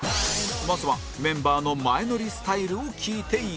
まずはメンバーの前乗りスタイルを聞いていこう